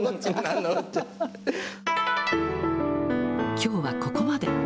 きょうはここまで。